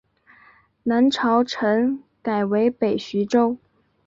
南朝陈改为北徐州。